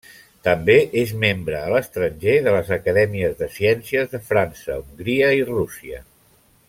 També és membre a l’estranger de les Acadèmies de Ciències de França, Hongria i Rússia.